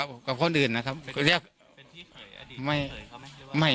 วันที่เผยอดีตเผยครับมั้ย